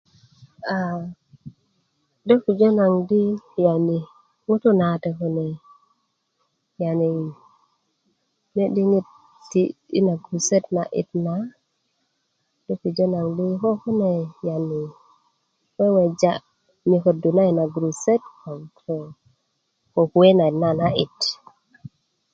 aa do pujö naŋ di yani ŋutu' na wate kune yani ne diŋit ti' i na gurusutöt na 'dit na do pujö naŋ di kine yani weweja 'yököndu na yina gurusutö ko kuwe nayit na a na'dit